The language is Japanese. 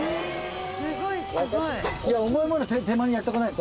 すごいすごい。